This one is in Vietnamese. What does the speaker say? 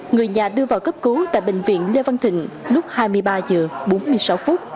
người nhà đưa vào cấp cứu tại bệnh viện lê văn thịnh lúc hai mươi ba h bốn mươi sáu phút